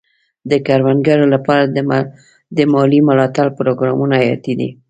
د کروندګرو لپاره د مالي ملاتړ پروګرامونه حیاتي دي.